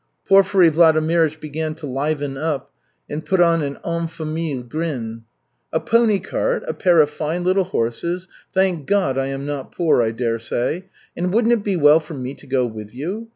Porfiry Vladimirych began to liven up, and put on an en famille grin. "A pony cart, a pair of fine little horses thank God, I am not poor, I dare say! And wouldn't it be well for me to go with you?